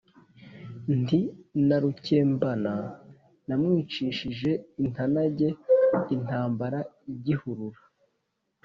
nti: na rukembana namwicishije intanage, intambara igihurura,